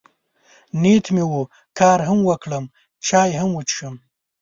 نیت مې و، کار هم وکړم، چای هم وڅښم.